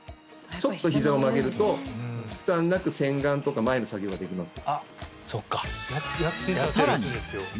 ちょっとひざを曲げると負担なく洗顔とか前の作業ができます